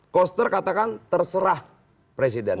koster katakan terserah presiden